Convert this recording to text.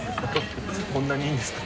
こんなにいいんですか？